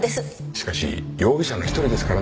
しかし容疑者の１人ですからね。